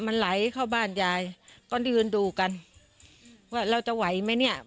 มันไหลเข้าบ้านยายก็ยืนดูกันว่าเราจะไหวไหมเนี่ย